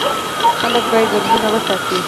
خلک باید ځنګلونه وساتي.